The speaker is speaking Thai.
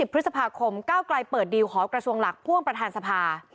พฤษภาคมก้าวไกลเปิดดีลขอกระทรวงหลักพ่วงประธานสภา